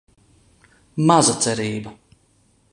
Maza cerība.